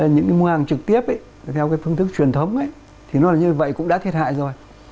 những mua hàng trực tiếp theo phương thức truyền thống thì nó như vậy cũng đã thiệt hại rồi